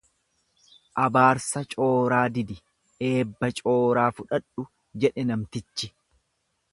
Abaarsa cooraa didi eebba cooraa fudhadhu jedhe namtichi.